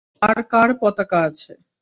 আর কার পতাকা আছে?